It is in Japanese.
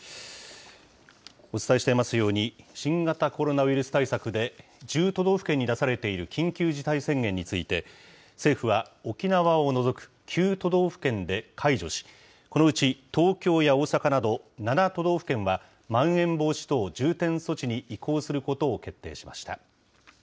お伝えしていますように、新型コロナウイルス対策で、１０都道府県に出されている緊急事態宣言について、政府は沖縄を除く９都道府県で解除し、このうち東京や大阪など、７都道府県はまん延防止等重点措置に移行することを決定しました。